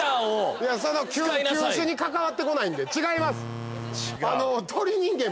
球種に関わってこないんで違います。